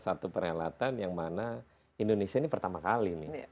satu perhelatan yang mana indonesia ini pertama kali ini jadi antusias bagi mereka yang suka